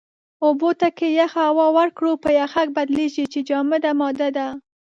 اوبو ته که يخه هوا ورکړو، په يَخٔک بدلېږي چې جامده ماده ده.